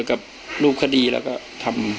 ถ้าใครอยากรู้ว่าลุงพลมีโปรแกรมทำอะไรที่ไหนยังไง